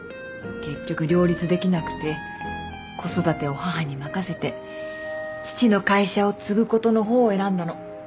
結局両立できなくて子育てを母に任せて父の会社を継ぐことの方を選んだの。